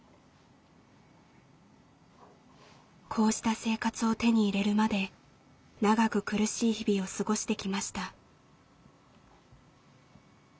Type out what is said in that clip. こうした生活を手に入れるまで長く苦しい日々を過ごしてきました。